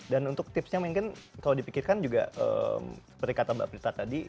dan untuk tipsnya mungkin kalau dipikirkan juga seperti kata mbak prita tadi